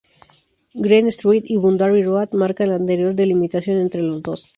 Green Street y Boundary Road marcan la anterior delimitación entre los dos.